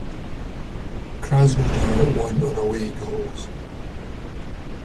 Krasnodar won on away goals.